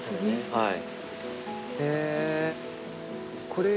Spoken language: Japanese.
はい。